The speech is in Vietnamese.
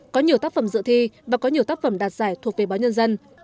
có nhiều tác phẩm dự thi và có nhiều tác phẩm đạt giải thuộc về báo nhân dân